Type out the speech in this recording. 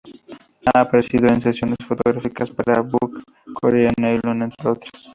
Ha aparecido en sesiones fotográficas para "Vogue Korea", "Nylon", entre otras...